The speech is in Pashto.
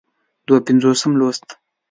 دوه پينځوسم لوست